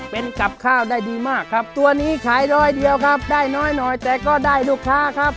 เป็นกับข้าวได้ดีมากครับตัวนี้ขายร้อยเดียวครับได้น้อยหน่อยแต่ก็ได้ลูกค้าครับ